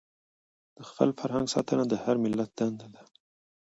د خپل فرهنګ ساتنه د هر ملت دنده ده.